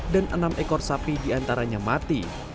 dan enam ekor sapi diantaranya mati